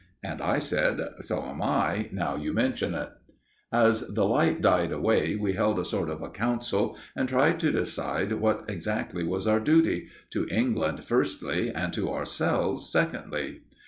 And I said: "So am I, now you mention it." As the light died away, we held a sort of a council, and tried to decide what exactly was our duty to England firstly, and to ourselves secondly.